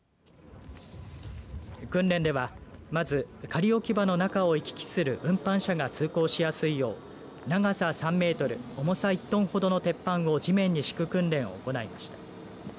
訓練ではまず仮置き場の中を行き来する運搬車が通行しやすいよう長さ３メートル重さ１トンほどの鉄板を地面に敷く訓練を行いました。